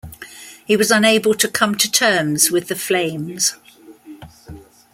He was unable to come to terms with the Flames.